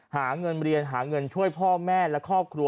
หาเงินเรียนหาเงินช่วยพ่อแม่และครอบครัว